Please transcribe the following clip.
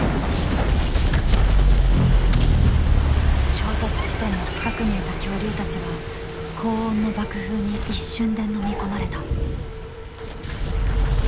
衝突地点の近くにいた恐竜たちは高温の爆風に一瞬でのみ込まれた。